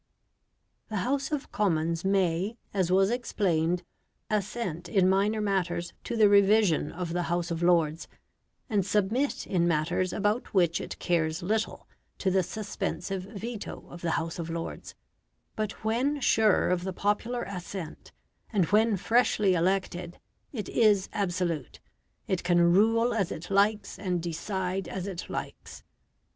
The House of Commons may, as was explained, assent in minor matters to the revision of the House of Lords, and submit in matters about which it cares little to the suspensive veto of the House of Lords; but when sure of the popular assent, and when freshly elected, it is absolute, it can rule as it likes and decide as it likes.